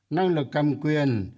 năng lực cầm quyền